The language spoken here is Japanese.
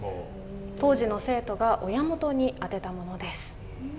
当時の生徒が親元に宛てたものです。